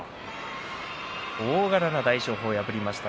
大柄な大翔鵬を破りました